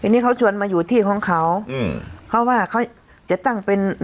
นี่เขาชวนมาอยู่ที่ของเขาอืมเพราะว่าเขาจะตั้งเป็น